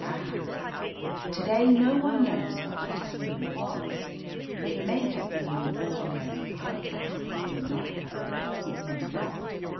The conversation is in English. To day no one knows what that agreement was. It may have been the ordinary 'rotas' of Minorca. It may not.